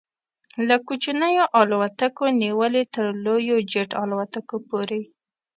له کوچنیو الوتکو نیولې تر لویو جيټ الوتکو پورې